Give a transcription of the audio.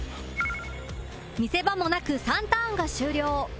見せ場もなく３ターンが終了